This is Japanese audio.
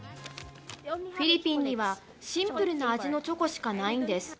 フィリピンにはシンプルな味のチョコしかないんです。